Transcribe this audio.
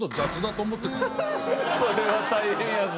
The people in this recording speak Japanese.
これは大変やぞ。